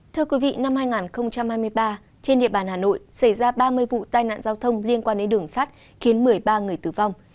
thưa quý vị năm hai nghìn hai mươi ba trên địa bàn hà nội xảy ra ba mươi vụ tai nạn giao thông liên quan đến đường sắt khiến một mươi ba người tử vong